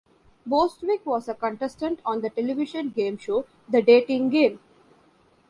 Bostwick was a contestant on the television game show, "The Dating Game".